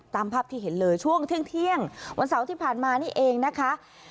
ตามภาพที่เห็นเลยช่วงเที่ยงวันเสาร์ที่ผ่านมานี่เองนะคะ